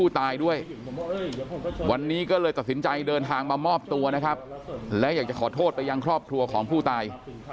ด้วยวันนี้ก็เลยตัดสินใจเดินทางมามอบตัวนะครับและอยากจะขอโทษไปยังครอบครัวของผู้ตาย